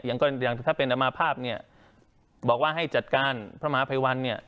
อย่างก็อย่างถ้าเป็นอมาภาพเนี่ยบอกว่าให้จัดการพระมหาภัยวันเนี่ย